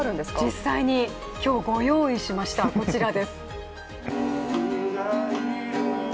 実際に今日、ご用意しました、こちらです。